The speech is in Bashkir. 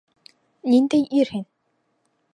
Ниндәй ир һин?!